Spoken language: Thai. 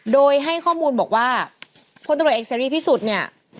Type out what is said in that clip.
โดยให้ข้อมูลบอกว่าพลตำรวจเอกเสรีพิสุทธิ์เนี่ย